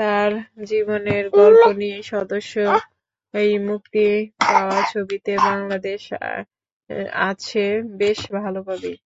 তাঁর জীবনের গল্প নিয়ে সদ্যই মুক্তি পাওয়া ছবিতেও বাংলাদেশ আছে বেশ ভালোভাবেই।